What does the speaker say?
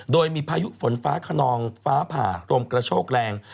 โดยมีพายุฝนฟ้าขนองฟ้าผ่าลมกระโชกแรง